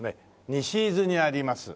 西伊豆にあります